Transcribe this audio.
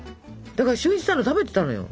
だから俊一さんの食べてたのよ。